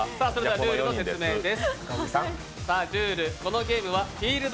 ルールの説明です。